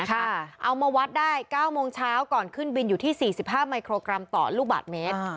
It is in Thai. เอามาวัดได้๙โมงเช้าก่อนขึ้นบินอยู่ที่๔๕มิโครกรัมต่อลูกบาทเมตร